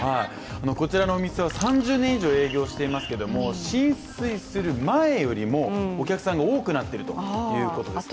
こちらのお店は３０年以上営業していますけれども浸水する前よりもお客さんが多くなっているということなんです